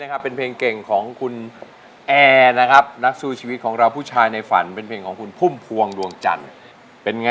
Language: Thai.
เฮ้อเสียดายจัง